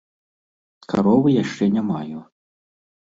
Каровы яшчэ не маю.